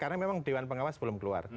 karena memang dewan pengawas belum keluar